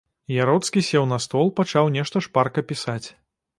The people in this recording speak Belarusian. Яроцкі сеў на стол, пачаў нешта шпарка пісаць.